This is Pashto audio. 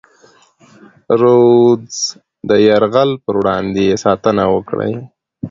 د رودز د یرغل پر وړاندې یې ساتنه وکړي.